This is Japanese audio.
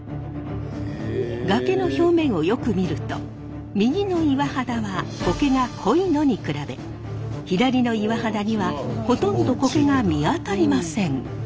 崖の表面をよく見ると右の岩肌は苔が濃いのに比べ左の岩肌にはほとんど苔が見当たりません。